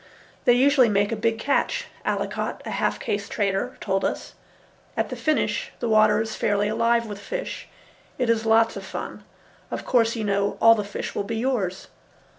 "They usually make a big catch," Allicot, a half caste trader, told us. "At the finish the water is fairly alive with fish. It is lots of fun. Of course you know all the fish will be yours."